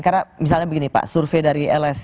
karena misalnya begini pak survei dari lsc